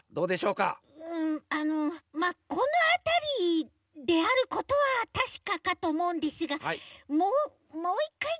うんあのまっこのあたりであることはたしかかとおもうんですがももう１かい